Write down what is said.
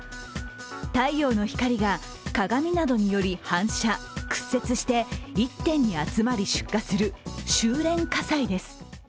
太陽の光が鏡などにより反射、屈折して、１点に集まり出火する収れん火災です。